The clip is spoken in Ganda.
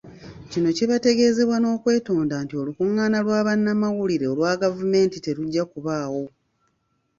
Kino kibategeezebwa n'okwetonda nti olukungaana lwa bannamawulire olwa gavumenti terujja kubaawo.